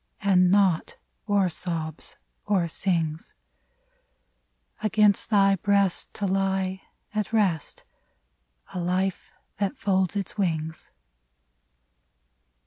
And naught or sobs or sings : Against thy breast to lie at rest — A hfe that folds its wings.